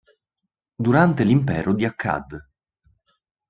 Durante l'impero di Akkad.